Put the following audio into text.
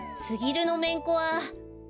すぎるのめんこは。